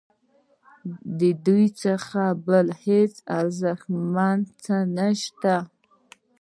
ددې څخه بل هیڅ ارزښتمن څه نشته.